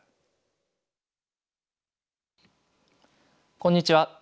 こんにちは。